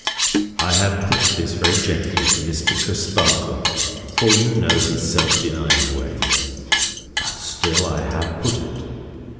I have put this very gently to Mr. Crisparkle, for you know his self denying ways; but still I have put it.